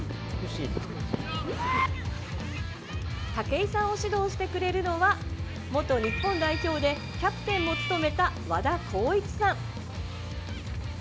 武井さんを指導してくれるのは元日本代表でキャプテンも務めた和田貢一さん。